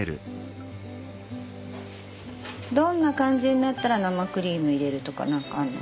どんな感じになったら生クリーム入れるとか何かあるの？